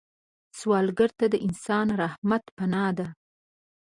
سوالګر ته د انسان رحمت پناه ده